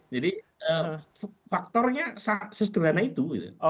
jadi faktornya sesederhana itu